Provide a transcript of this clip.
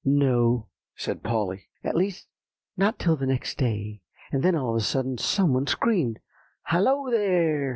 "No," said Polly; "at least not till the next day. And then all of a sudden some one screamed, 'Hallo, there!